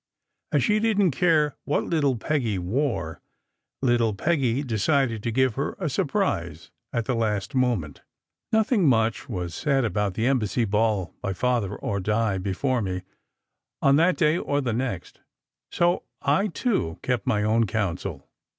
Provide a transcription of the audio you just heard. As she didn t care what little Peggy wore, little Peggy decided to give her a surprise at the last moment. Nothing much was said about the Embassy ball by Father or Di before me, on that day or the next, so I, too, kept my own counsel.